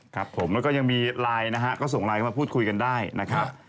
ครับผมแล้วก็ยังมีไลน์นะฮะก็ส่งไลน์มาพูดคุยกันได้นะครับ